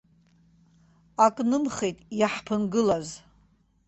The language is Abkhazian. Ак нымхеит иаҳԥынгылаз.